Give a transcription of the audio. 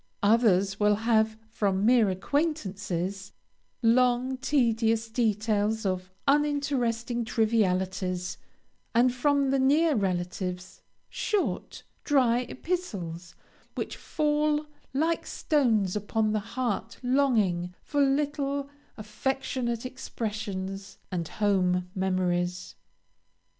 Others will have, from mere acquaintances, long, tedious details of uninteresting trivialities, and from the near relatives, short, dry epistles, which fall like stones upon the heart longing for little, affectionate expressions, and home memories.